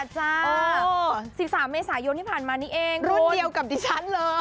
๒๘จ้าสิบสามเมษายนที่ผ่านมานี้เองคุณรุ่นเดียวกับดิฉันเหรอ